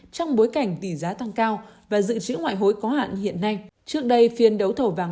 trong bối cảnh tỷ giá tăng cao và dự trữ ngoại hối có hạn hiện nay trước đây phiên đấu thầu vàng